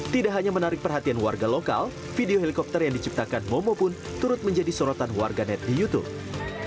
tidak hanya menarik perhatian warga lokal video helikopter yang diciptakan momo pun turut menjadi sorotan warganet di youtube